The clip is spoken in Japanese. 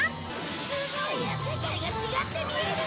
すごいや世界が違って見える！